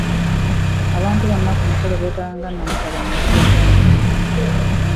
Abantu bonna ku mukolo beetala nga Nnamutale omunyageko ente.